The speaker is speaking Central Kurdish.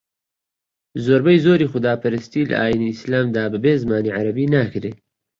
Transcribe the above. زۆربەی زۆری خوداپەرستی لە ئاینی ئیسلامدا بەبێ زمانی عەرەبی ناکرێ